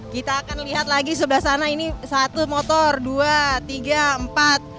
kita akan lihat lagi sebelah sana ini satu motor dua tiga empat